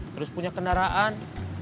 terus punya kendaraan